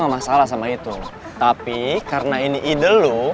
mas yang lain sih orang menanyain lu